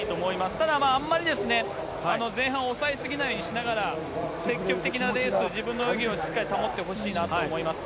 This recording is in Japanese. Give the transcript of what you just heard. ただまあ、あんまり前半抑え過ぎないようにしながら、積極的なレースと自分の泳ぎをしっかり保ってほしいなと思います。